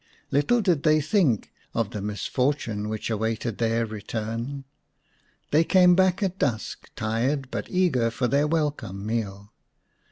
Little did they think of the misfortune which awaited their return. They came back at dusk, tired, but eager for their welcome meal.